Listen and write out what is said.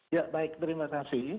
ya baik terima kasih